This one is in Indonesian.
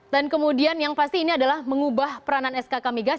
dan kemudian yang pasti ini adalah mengubah peranan sk kamigas